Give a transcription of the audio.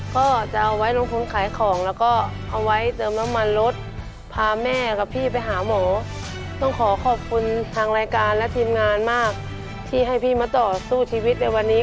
ขอขอบคุณทุกคนที่มาสู้ชีวิตในวันนี้